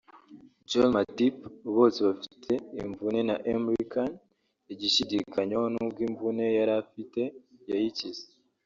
Joël Matip bose bafite imvune na Emre Can igishidakanywaho nubwo imvune yari afite yakize